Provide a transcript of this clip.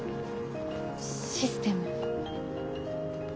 システム。